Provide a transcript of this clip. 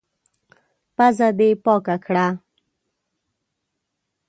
پزه دي پاکه کړه!